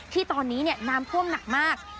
ที่ตอนนี้น้ำท่วมหนักมาก